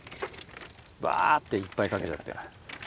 バっていっぱいかけちゃって。